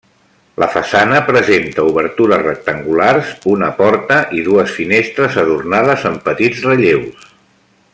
La façana presenta obertures rectangulars: una porta i dues finestres adornades amb petits relleus.